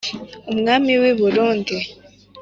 umwami w'i burundi :